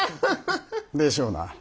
でしょうな。